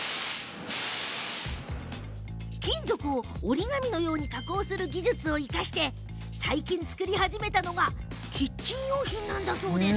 金属を折り紙のように加工する技術を生かして最近、作り始めたのがキッチン用品なんだそうです。